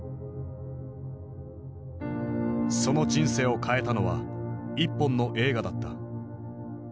その人生を変えたのは一本の映画だった。